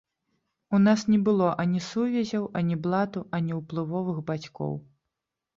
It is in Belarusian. У нас не было ані сувязяў, ані блату, ані ўплывовых бацькоў.